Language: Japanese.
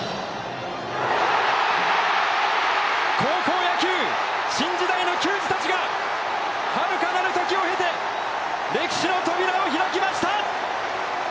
高校野球新時代の球児たちがはるかなる時を経て歴史の扉を開きました！